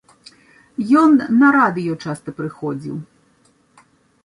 Ён на радыё часта прыходзіў.